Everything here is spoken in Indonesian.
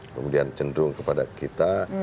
kemudian cenderung kepada kita